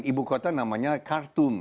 ibu kota namanya khartoum